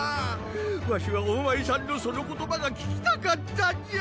わしはお前さんのその言葉が聞きたかったんじゃ。